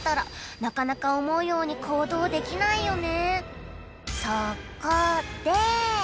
「なかなか思うように行動できないよね」